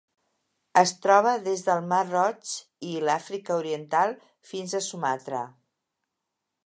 Es troba des del Mar Roig i l'Àfrica Oriental fins a Sumatra.